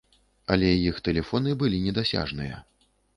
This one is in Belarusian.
Але іх тэлефоны былі недасяжныя.